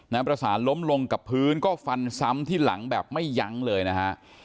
ประสานล้มลงกับพื้นก็ฟันซ้ำที่หลังแบบไม่ยั้งเลยนะฮะ